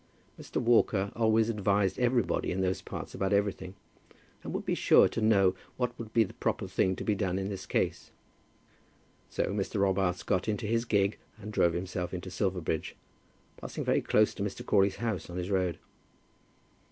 Mr. Walker always advised everybody in those parts about everything, and would be sure to know what would be the proper thing to be done in this case. So Mr. Robarts got into his gig, and drove himself into Silverbridge, passing very close to Mr. Crawley's house on his road.